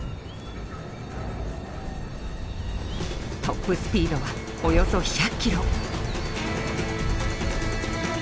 トップスピードはおよそ１００キロ。